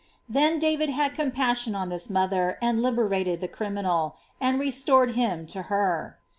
Then David had compassion on this mother, and liberated the criminal, and re stored him to her.